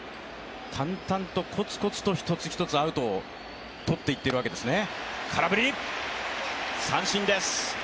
淡々とコツコツと１つ１つアウトを取っているわけですね。